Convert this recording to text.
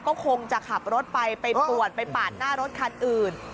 ก็คงจะขับรถไปไปปวดไปปาดหน้ารถคันอื่น